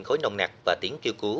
khối nông nặt và tiếng kêu cứu